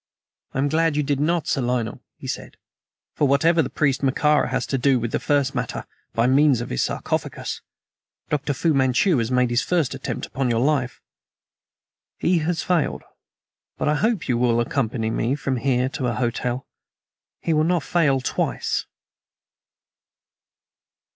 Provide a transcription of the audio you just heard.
"I am glad you did not, Sir Lionel," he said; "for whatever the priest Mekara has to do with the matter, by means of his sarcophagus, Dr. Fu Manchu has made his first attempt upon your life. He has failed, but I hope you will accompany me from here to a hotel. He will not fail twice."